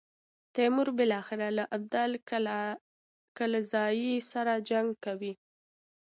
تیمور بالاخره له ابدال کلزايي سره جنګ کوي.